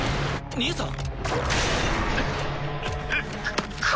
兄さん。